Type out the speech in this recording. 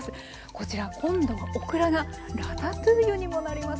こちら今度はオクラがラタトゥイユにもなります。